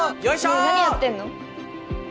ねぇ何やってんの？